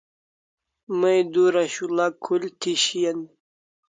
May dura shul'a khul thi shian